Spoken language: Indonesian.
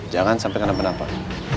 jangan sampai kena penampak